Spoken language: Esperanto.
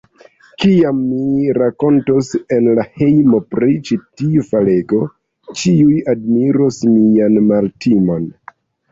Kiam mi rakontos en la hejmo pri ĉi tiu falego, ĉiuj admiros mian maltimon.